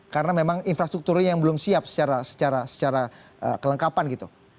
karena memang infrastrukturnya yang belum siap secara kelengkapan gitu